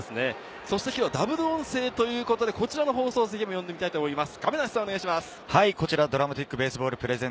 今日はダブル音声ということで、こちらの放送席を呼んでみます。